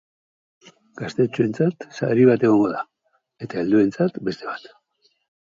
Gaztetxoentzat sari bat egongo da, eta helduentzat beste bat.